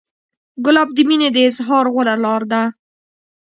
ګلاب د مینې د اظهار غوره لاره ده.